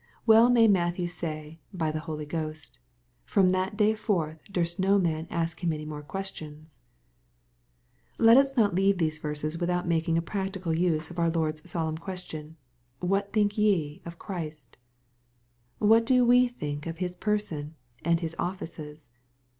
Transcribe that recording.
Well may Matthew say, by the Holy Ghost, "From that day forth durst no man ask him any more questions I" Let us not leave these verses without making a practical use of our Lord's solemn question, " What think ye of Christ ?" What do we think of His person, and His offices